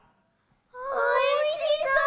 おいしそう。